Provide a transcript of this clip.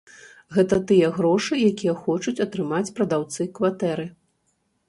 Гэта тыя грошы, якія хочуць атрымаць прадаўцы кватэры.